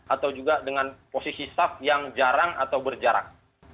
atau juga dengan posisi staff yang jarang atau berjarak